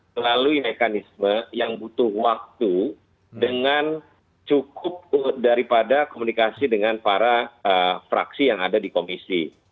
melalui mekanisme yang butuh waktu dengan cukup daripada komunikasi dengan para fraksi yang ada di komisi